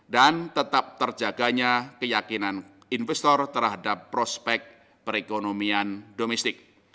dan tetap terjaganya keyakinan investor terhadap prospek perekonomian domestik